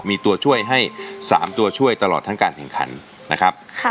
มีตัวช่วยให้๓ตัวช่วยตลอดทั้งการแข่งขันนะครับ